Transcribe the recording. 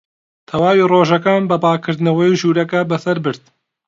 تەواوی ڕۆژەکەم بە پاککردنەوەی ژوورەکە بەسەر برد.